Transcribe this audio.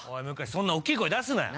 そんな大っきい声出すなよ。